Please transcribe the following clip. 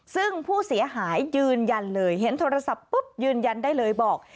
ซึ่งผู้เสียหายยืนยันเลยเห็นโทรศัพท์ปุ๊บยืนยันได้เลยบอก